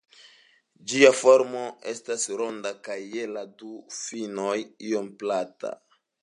Ĝia formo ests ronda kaj je la du finoj iom plata.